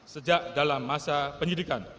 sejak dalam masa penyidikan